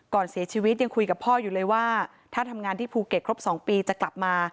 ก่อนเสียชีวิตยังคุยกับพ่ออยู่เลยว่าถ้าทำงานที่ภูเก็ตครบ๒ปีจะกลับมา